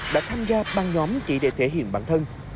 đã tham gia băng nhóm chỉ để thể hiện bản thân